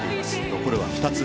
残るは２つ。